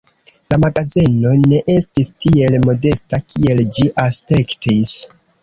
La magazeno ne estis tiel modesta, kiel ĝi aspektis.